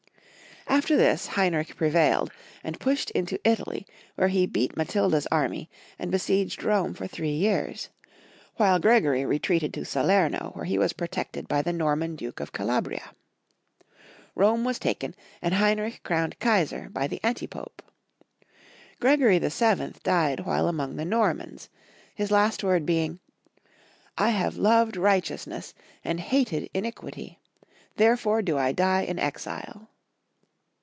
After this Heinrich prevailed, and pushed into Italy, where he beat Matilda's army, and besieged Rome for three years ; wliile Gregory retreated to SaleiTxo, where he was protected by the Norman Duke of Calabria. Rome was taken, and Heinrich crowned Kaisar by the Antipope. Gregory VII. died wliile among the Normans, his last word being, " I have loved righteousness, and hated iniqmty ; therefore do I die in exile."